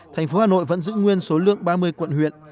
tp hà nội vẫn giữ nguyên số lượng ba mươi quận huyện